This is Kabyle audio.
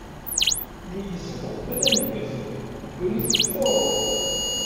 Meyyzet uqbel aneggez, ddunit tettɣuṛṛu!